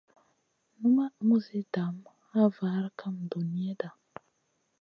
Numaʼ muzi dam a var kam duniyada.